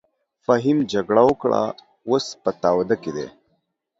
فهيم جګړه وکړه اوس په تاوده کښی دې.